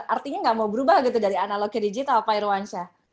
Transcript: artinya tidak mau berubah gitu dari analog ke digital pak irwansyah